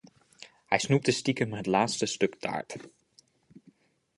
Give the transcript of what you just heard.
Hij snoepte stiekem het laatste stuk taart.